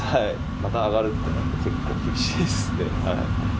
また上がるってなると、結構厳しいですね。